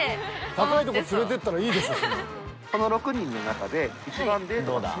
高いとこ連れてったらいいでしょ。